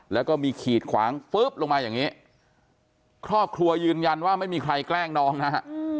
แล้วก็มีขีดขวางปุ๊บลงมาอย่างนี้ครอบครัวยืนยันว่าไม่มีใครแกล้งน้องนะฮะ